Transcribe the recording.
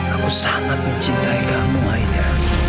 aku sangat mencintai kamu lainnya